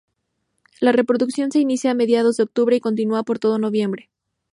La reproducción se inicia a mediados de octubre y continúa por todo noviembre.